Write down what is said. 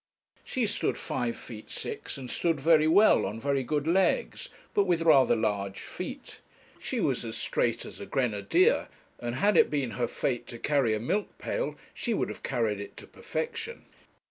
She stood five feet six, and stood very well, on very good legs, but with rather large feet. She was as straight as a grenadier, and had it been her fate to carry a milk pail, she would have carried it to perfection.